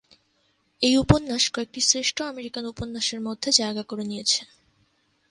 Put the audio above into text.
এই উপন্যাস কয়েকটি শ্রেষ্ঠ আমেরিকান উপন্যাসের মধ্যে জায়গা করে নিয়েছে।